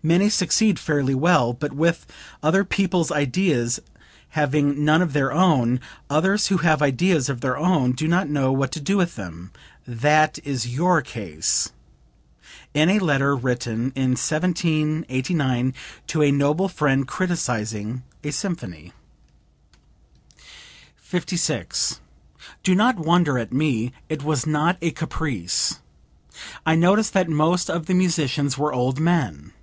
Many succeed fairly well, but with other people's ideas, having none of their own; others who have ideas of their own, do not know what to do with them. That is your case." (In a letter written in 1789 to a noble friend criticizing a symphony.) 56. "Do not wonder at me; it was not a caprice. I noticed that most of the musicians were old men.